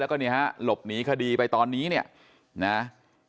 แล้วก็เนี่ยฮะหลบหนีคดีไปตอนนี้เนี่ยนะ